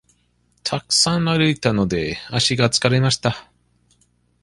たくさん歩いたので、足が疲れました。